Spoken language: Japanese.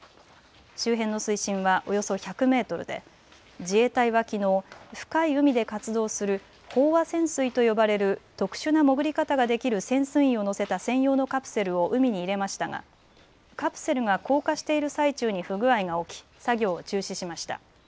周辺の水深はおよそ１００メートルで自衛隊はきのう深い海で活動する飽和潜水と呼ばれる特殊な潜り方ができる潜水員を乗せた専用のカプセルを海に入れましたが、カプセルが降下している最中に不具合が起き作業を中止しました。